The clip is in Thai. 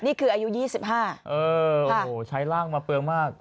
นี่คืออายุ๒๕ใช้ร่างมาเปลืองมาก